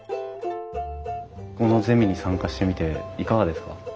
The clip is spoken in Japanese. このゼミに参加してみていかがですか？